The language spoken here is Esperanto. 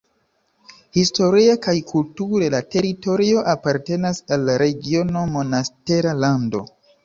Historie kaj kulture la teritorio apartenas al la regiono Monastera Lando.